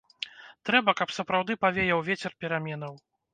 Трэба, каб сапраўды павеяў вецер пераменаў.